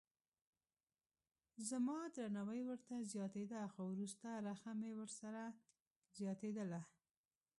زما درناوی ورته زیاتېده خو وروسته رخه مې ورسره زیاتېدله.